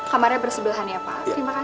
kamarnya bersebelahan ya pak